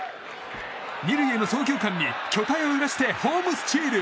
２塁への送球間に巨体を揺らしてホームスチール！